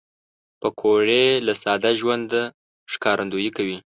پکورې له ساده ژوند ښکارندويي کوي